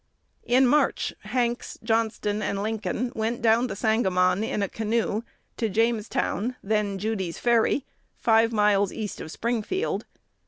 In March, Hanks, Johnston, and Lincoln went down the Sangamon in a canoe to Jamestown (then Judy's Ferry), five miles east of Springfield.